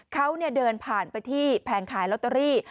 เขาเดินผ่านไปที่แผงขายลอตเตอรี่